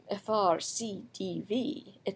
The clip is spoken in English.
Fr. C. D. V., etc.